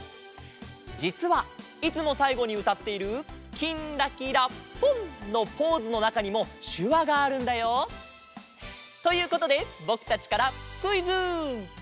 じつはいつもさいごにうたっている「きんらきらぽん」のポーズのなかにもしゅわがあるんだよ。ということでぼくたちからクイズ！